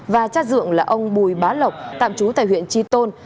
và chát dưỡng là ông bùi bá lộc tạm trú tại huyện tri tôn